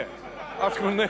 あそこにね。